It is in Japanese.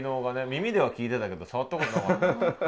耳では聴いてたけど触ったことなかったって。